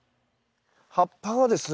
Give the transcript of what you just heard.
葉っぱはですね